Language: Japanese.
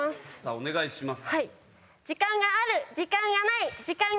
お願いします。